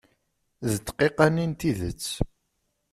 D ddeqqa-nni n tidet.